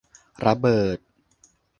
ระเบิด